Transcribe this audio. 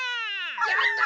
やった！